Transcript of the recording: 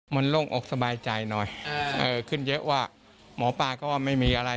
มันโล่งอกสบายใจหน่อยขึ้นเยอะว่าหมอปลาก็ว่าไม่มีอะไร